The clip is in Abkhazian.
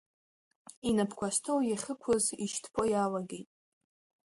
Инапқәа астол иахьықәыз ишьҭԥо иалагеит.